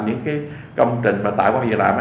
những cái công trình mà tạo công an việc làm